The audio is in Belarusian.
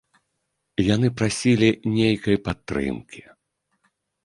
Яны прасілі нейкай падтрымкі.